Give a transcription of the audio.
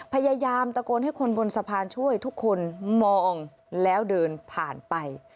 พยายามตะโกนให้คนบนสะพานช่วยทุกคนมองแล้วเดินผ่านไป